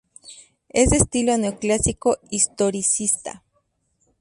Es de estilo neoclásico historicista.